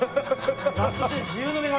ラストシーン自由の女神